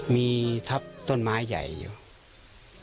มีทับต้นไม้ใหญ่อยู่